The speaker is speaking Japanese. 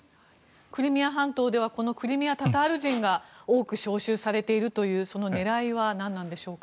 クリミア半島ではこのクリミア・タタール人が多く招集されているという狙いは何なんでしょうか。